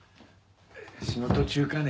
仕事中かね？